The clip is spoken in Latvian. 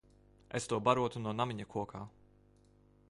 Es to barotu no namiņa kokā.